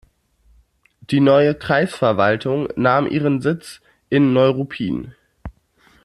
Die neue Kreisverwaltung nahm ihren Sitz in Neuruppin.